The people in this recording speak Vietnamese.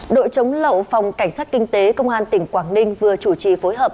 đội chống lậu phòng cảnh sát kinh tế công an tỉnh quảng ninh vừa chủ trì phối hợp